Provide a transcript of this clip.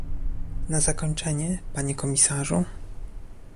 Na zakończenie, panie komisarzu